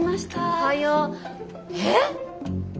おはようえっ！？